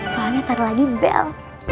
soalnya taruh lagi bel